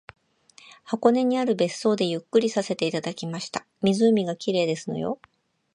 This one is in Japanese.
箱根にある別荘でゆっくりさせていただきました。湖が綺麗ですのよ